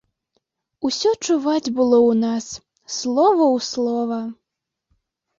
Усё чуваць было ў нас, слова ў слова.